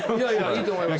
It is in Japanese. いいと思います